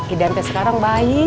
idan sekarang baik